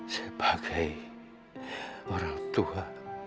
sebagai orang tua